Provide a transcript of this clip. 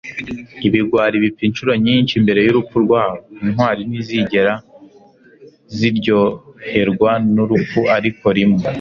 ibigwari bipfa inshuro nyinshi mbere y'urupfu rwabo; intwari ntizigera ziryoherwa n'urupfu ariko rimwe